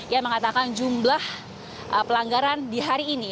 yang mengatakan jumlah pelanggaran di hari ini